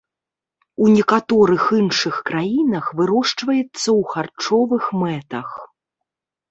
У некаторых іншых краінах вырошчваецца ў харчовых мэтах.